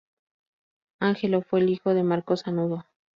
Angelo fue el hijo de Marco Sanudo.